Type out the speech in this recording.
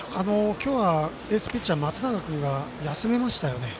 今日はエースピッチャーの松永君が休みましたよね。